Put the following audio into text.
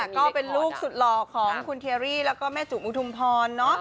ก็เป็นลูกสุดหล่อของคุณเครรี่แล้วก็แม่จุอุทุมพร